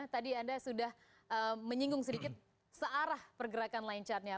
tadi anda sudah menyinggung sedikit searah pergerakan line chartnya